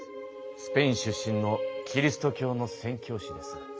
スペイン出身のキリスト教の宣教師です。